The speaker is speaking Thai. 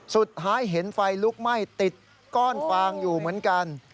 สุดท้ายเห็นไฟลุกไหม้ติดก้อนฟางอยู่เหมือนกัน